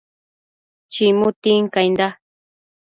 chimu tincainda